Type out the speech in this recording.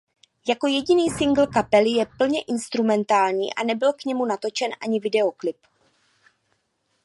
Jako jediný singl kapely je plně instrumentální a nebyl k němu natočen ani videoklip.